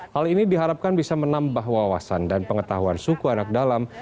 hal ini diharapkan bisa menambah wawasan dan pengetahuan suku anak dalam